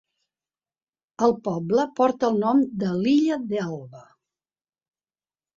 El poble porta el nom de l'illa d'Elba.